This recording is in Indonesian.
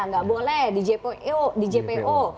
nggak boleh di jpo